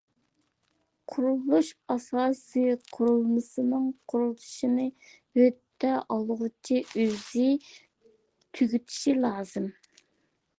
قۇرۇلۇش ئاساسىي قۇرۇلمىسىنىڭ قۇرۇلۇشىنى ھۆددە ئالغۇچى ئۆزى تۈگىتىشى لازىم.